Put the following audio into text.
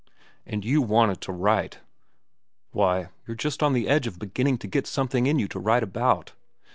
And you wanted to write! Why, you're just on the edge of beginning to get something in you to write about.